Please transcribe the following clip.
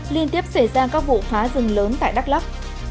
liên tiếp xảy ra các vụ phá rừng lớn tại đắk lắc